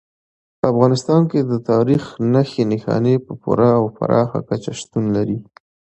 په افغانستان کې د تاریخ نښې نښانې په پوره او پراخه کچه شتون لري.